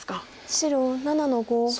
白７の五。